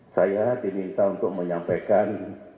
saya diminta untuk menyampaikan